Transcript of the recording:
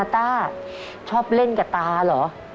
ต้าชอบเล่นกับตาเหรอ